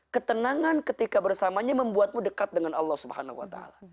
ketenangan ketika bersamanya membuatmu dekat dengan allah swt